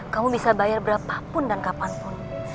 kamu bisa bayar berapapun dan kapanpun